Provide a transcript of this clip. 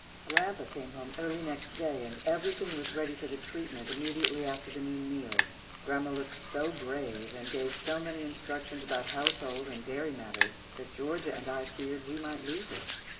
Grandpa came home early next day and everything was ready for the treatment immediately after the noon meal. Grandma looked so grave, and gave so many instructions about household and dairy matters, that Georgia and I feared that we might lose her.